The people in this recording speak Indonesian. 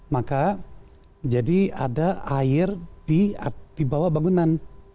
maka jadi ada air di bawah bangunan